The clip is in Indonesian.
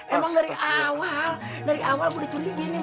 emang dari awal dari awal gue diculipin nih